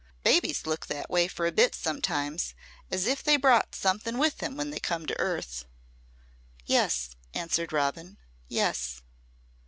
Babies look that way for a bit sometimes as if they brought something with them when they come to earth." "Yes," answered Robin. "Yes."